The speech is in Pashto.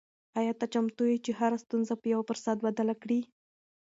آیا ته چمتو یې چې هره ستونزه په یو فرصت بدله کړې؟